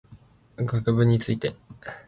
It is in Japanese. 学部について